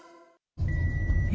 え？